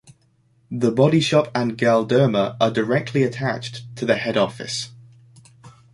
The Body Shop and Galderma are directly attached to the head office.